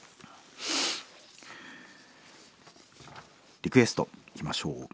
リクエストいきましょう。